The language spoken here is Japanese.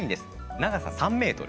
長さ３ｍ。